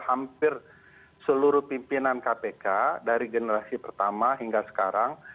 hampir seluruh pimpinan kpk dari generasi pertama hingga sekarang